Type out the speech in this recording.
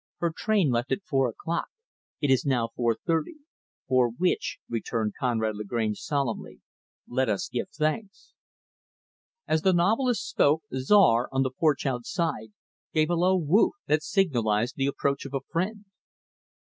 "Her train left at four o'clock. It is now four thirty." "For which," returned Conrad Lagrange, solemnly, "let us give thanks." As the novelist spoke, Czar, on the porch outside, gave a low "woof" that signalized the approach of a friend.